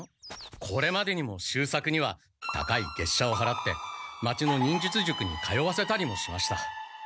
これまでにも秀作には高いげっしゃをはらって町の忍術塾に通わせたりもしました。